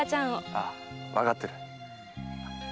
ああわかってる。